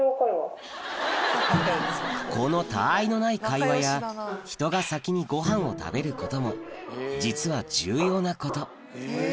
このたわいのない会話や人が先にごはんを食べることも実は重要なこと